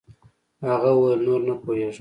هغه وويل نور نه پوهېږم.